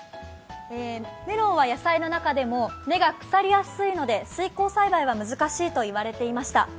メロンは野菜の中でも根が腐りやすいので水耕栽培は難しいと言われていました。